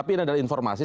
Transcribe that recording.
tapi ini adalah informasi